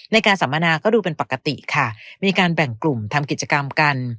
สัมมนาก็ดูเป็นปกติค่ะมีการแบ่งกลุ่มทำกิจกรรมกัน